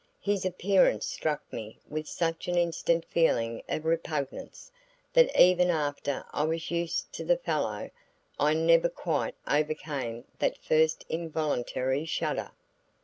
His appearance struck me with such an instant feeling of repugnance, that even after I was used to the fellow, I never quite overcame that first involuntary shudder.